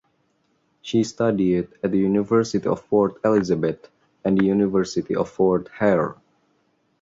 She studied at the University of Port Elizabeth and the University of Fort Hare.